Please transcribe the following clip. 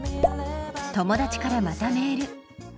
友達からまたメール。